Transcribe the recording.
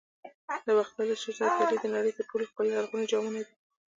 د باختر د سرو زرو پیالې د نړۍ تر ټولو ښکلي لرغوني جامونه دي